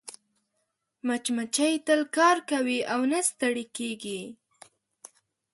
مچمچۍ تل کار کوي او نه ستړې کېږي